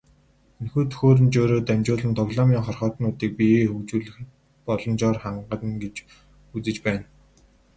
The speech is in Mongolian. Энэхүү төхөөрөмжөөрөө дамжуулан тоглоомын хорхойтнуудыг биеэ хөгжүүлэх боломжоор хангана гэж үзэж байна.